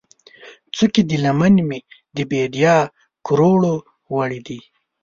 څوکې د لمن مې، د بیدیا کروړو ، وړې دي